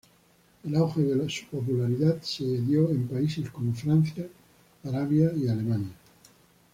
El auge de su popularidad se dio en países como Francia, Arabia y Alemania.